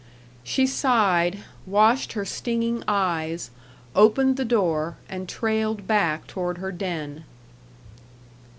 She sighed, washed her stinging eyes, opened the door, and trailed back toward her den.